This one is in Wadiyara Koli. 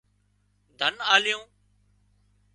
ڌنَ آليون